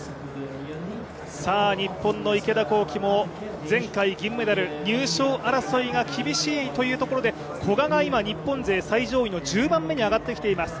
日本の池田向希も前回銀メダル入賞争いが厳しいというところで古賀が日本勢最上位の１０番目に上がってきています。